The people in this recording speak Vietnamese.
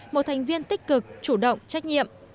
một thành viên tích cực chủ động trách nhiệm